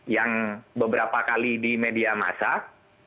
yang beberapa kali di media masak